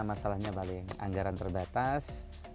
masalahnya paling anggaran terbatas